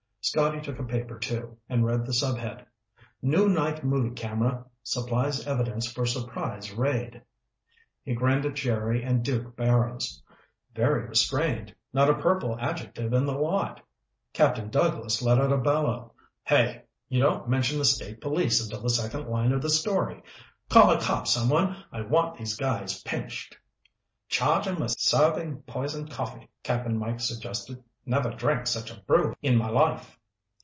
'" Scotty took a paper, too, and read the subhead. "'New Night Movie Camera Supplies Evidence for Surprise Raid.'" He grinned at Jerry and Duke Barrows. "Very restrained. Not a purple adjective in the lot." Captain Douglas let out a bellow. "Hey! You don't mention the State Police until the second line of the story. Call a cop someone, I want these guys pinched." "Charge 'em with serving poison coffee," Cap'n Mike suggested. "Never drank such a brew in my life."